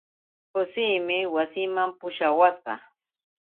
Joseemi wasinman pushawasqa.